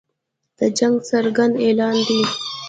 د جنګ څرګند اعلان دی.